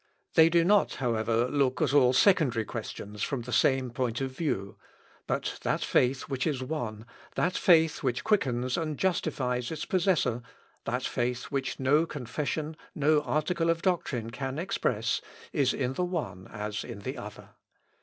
They do not, however, look at all secondary questions from the same point of view, but that faith which is one, that faith which quickens and justifies its possessor, that faith which no confession, no article of doctrine can express, is in the one as in the other.